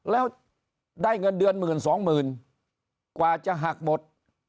แล้วได้เงินเดือนหมื่นสองหมื่นกว่าจะหักหมด๕๐๐๐๐๐๖๐๐๐๐๐